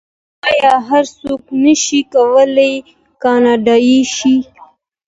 آیا هر څوک نشي کولی کاناډایی شي؟